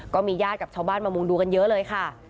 ก็มีญาติกับชาวบ้านมามุงดูกันเยอะเลยค่ะ